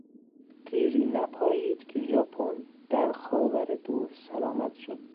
دیری نپایید که ژاپن در خاور دور سرآمد شد.